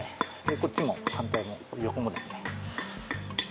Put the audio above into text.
こっちも反対も横もですね。